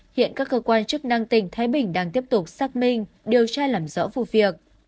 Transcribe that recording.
hiện các cơ quan chức năng tỉnh thái bình đang tiếp tục xác minh điều tra làm rõ vụ việc